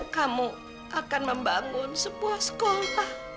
kamu akan membangun sebuah sekolah